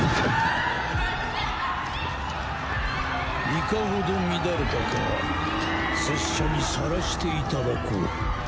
いかほど乱れたか拙者にさらしていただこう。